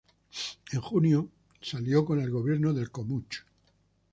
En junio se alió con el Gobierno del Komuch.